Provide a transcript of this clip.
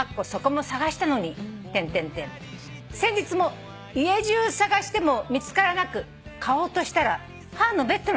「先日も家中捜しても見つからなく買おうとしたら母のベッドの下にありました」